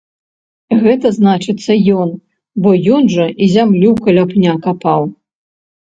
Гэта, значыцца, ён, бо ён жа і зямлю каля пня капаў.